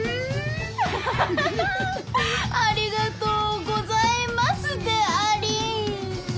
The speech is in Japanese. ありがとうございますでありんす！